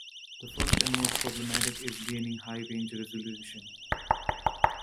The first, and most problematic, is gaining high-range resolution.